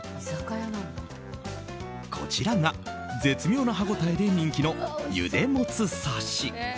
こちらが絶妙な歯ごたえで人気のゆでもつ刺。